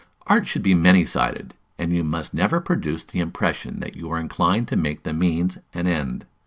Art should be many sided, and you must never produce the impression that you are inclined to make the means an end.